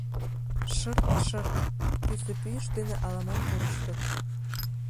Шырт-шырт — пӱсӧ пӱйышт дене ала-мом пурыштыт.